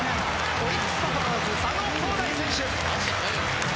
オリックス・バファローズ佐野皓大選手。